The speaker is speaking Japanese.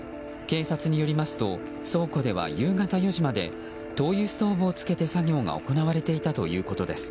警察によりますと倉庫では夕方４時まで灯油ストーブをつけて作業が行われていたということです。